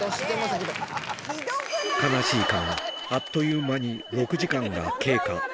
悲しいかな、あっという間に６時間が経過。